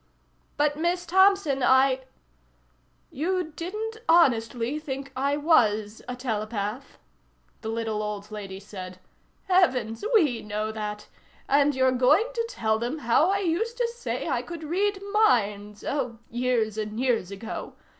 "But Miss Thompson, I " "You didn't honestly think I was a telepath," the little old lady said. "Heavens, we know that. And you're going to tell them how I used to say I could read minds oh, years and years ago.